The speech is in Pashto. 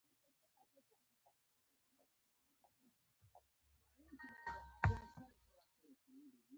په دې ښار کې د روغتیایي خدماتو کیفیت ښه او معیاري ده